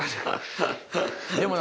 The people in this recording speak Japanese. ハハハハ。